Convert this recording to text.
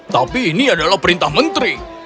tapi ini adalah perintah menteri